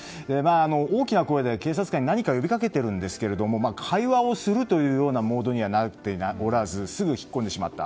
大きな声で警察官に何かを呼び掛けているんですが会話をするというようなモードにはなっておらずすぐ引っ込んでしまった。